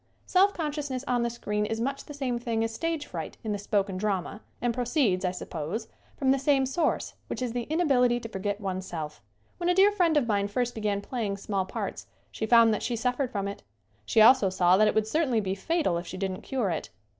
Self consciousness on the screen is much the same thing as stage fright in the spoken drama and proceeds, I suppose, from the same source, which is the inability to forget one's self. When a dear friend of mine first began play ing small parts she found that she suffered from it. She also saw that it would certainly be fatal if she didn't cure it.